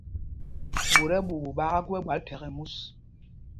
Ɓot ɛ́ɓuuɓu ɓaaká gú ɛ́ɓwǎl thɛkɛ mus.